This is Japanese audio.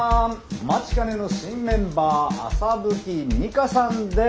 お待ちかねの新メンバー麻吹美華さんです！